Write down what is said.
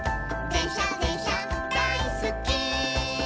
「でんしゃでんしゃだいすっき」